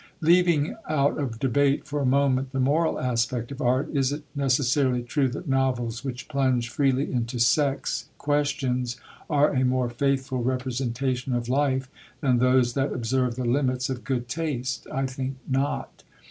Leaving out of debate for a moment the moral aspect of Art, is it necessarily true that novels which plunge freely into sex questions are a more faithful representation of life than those that observe the limits of good taste? I think not.